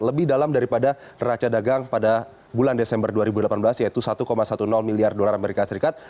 lebih dalam daripada raca dagang pada bulan desember dua ribu delapan belas yaitu satu sepuluh miliar dolar amerika serikat